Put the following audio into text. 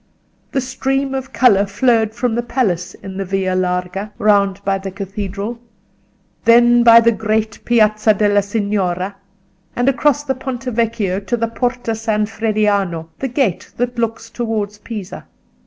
The stream of colour flowed from the palace in the Via Larga round by the Cathedral, then by the great Piazza della Signoria, and across the Ponte Vecchio to the Porta San Frediano—the gate that looks towards Pisa.